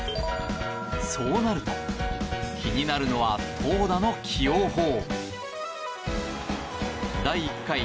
そうなると、気になるのは投打の起用法。